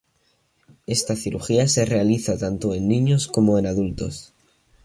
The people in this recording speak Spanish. Esta cirugía se realiza tanto en niños como en adultos.